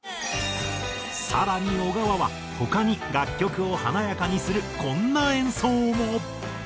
更に小川は他に楽曲を華やかにするこんな演奏も。